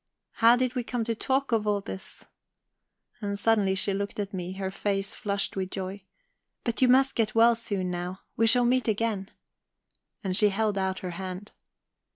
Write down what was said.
How did we come to talk of all this?" And suddenly she looked at me, her face flushed with joy. "But you must get well soon, now. We shall meet again." And she held out her hand.